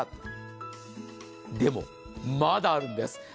でも、まだあるんです。